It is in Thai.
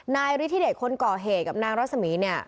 นายฤทธิเดชคนก่อเหตุกับนางรัศมีร์เนี่ย